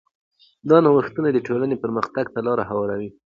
دا نوښتونه د ټولنې پرمختګ ته لاره هواروي.